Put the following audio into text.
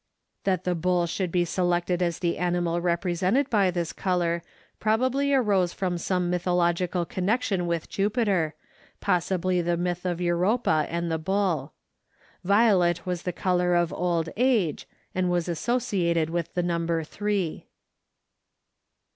That the bull should be selected as the animal represented by this color probably arose from some mythological connection with Jupiter, possibly the myth of Europa and the bull. Violet was the color of old age and was associated with the number three.